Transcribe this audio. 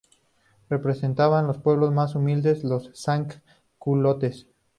Representaban al pueblo más humilde, los "sans-culottes".